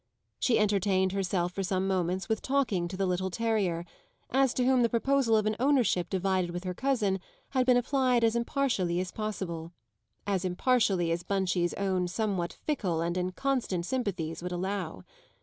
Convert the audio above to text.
She entertained herself for some moments with talking to the little terrier, as to whom the proposal of an ownership divided with her cousin had been applied as impartially as possible as impartially as Bunchie's own somewhat fickle and inconstant sympathies would allow.